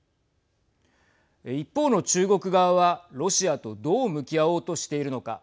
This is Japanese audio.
一方の中国側はロシアとどう向き合おうとしているのか。